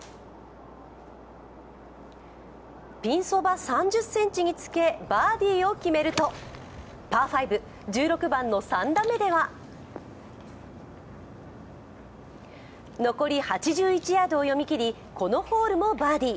ピンそば３０ｃｍにつけ、バーディーを決めると、パー５、１６番の３打目では残り８１ヤードを読み切りこのホールもバーディー。